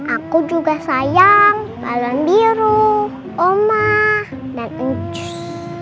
aku juga sayang balon biru oma dan ujus